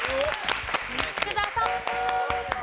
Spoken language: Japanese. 福澤さん。